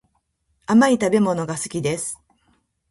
甘い食べ物が好きです